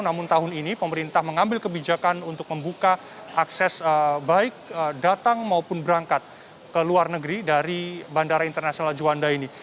namun tahun ini pemerintah mengambil kebijakan untuk membuka akses baik datang maupun berangkat ke luar negeri dari bandara internasional juanda ini